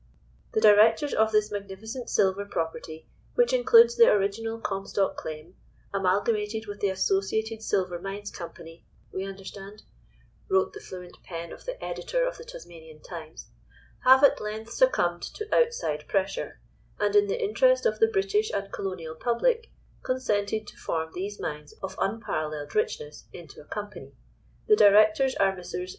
"The Directors of this magnificent silver property, which includes the original Comstock Claim—amalgamated with the Associated Silver Mines Company we understand"—wrote the fluent pen of the Editor of the Tasmanian Times—"have at length succumbed to outside pressure, and in the interest of the British and Colonial Public, consented to form these mines of unparalleled richness into a company. The Directors are Messrs.